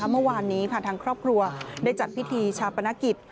เมื่อวานนี้ทางครอบครัวได้จัดพิธีชาปนกิจ